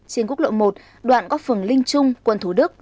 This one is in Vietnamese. trên quốc lộ một đoạn góc phường linh trung quận thú đức